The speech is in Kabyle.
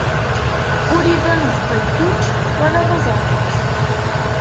Ur iban d ṭikkuk, wala d aẓaɛluk.